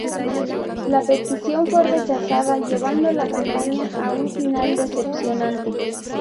La petición fue rechazada, llevando la campaña a un final decepcionante.